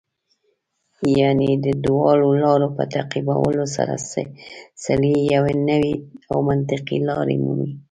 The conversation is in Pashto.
یعنې د دواړو لارو په تعقیبولو سره سړی یوه نوې او منطقي لار مومي.